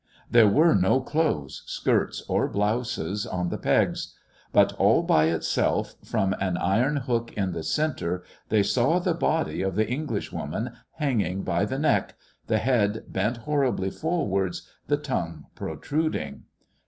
There were no clothes, skirts or blouses on the pegs, but, all by itself, from an iron hook in the centre, they saw the body of the Englishwoman hanging by the neck, the head bent horribly forwards, the tongue protruding.